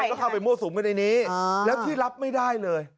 ก็เข้าไปมั่วสุมกันในนี้แล้วที่รับไม่ได้เลย